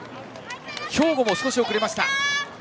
兵庫も少し遅れた。